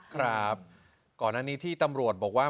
ครับก่อนอันนี้ที่ตำรวจบอกว่า